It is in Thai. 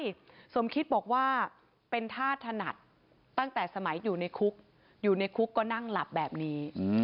ใช่สมคิดบอกว่าเป็นธาตุถนัดตั้งแต่สมัยอยู่ในคุกอยู่ในคุกก็นั่งหลับแบบนี้